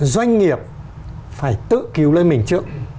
doanh nghiệp phải tự cứu lên mình trước